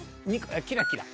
キラキラ。